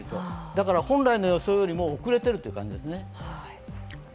だから、本来の予想よりも遅れているという感じですね。